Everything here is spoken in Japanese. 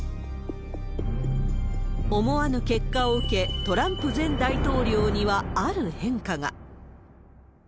思わぬ結果を受け、トランプ前大統領にはある変化が。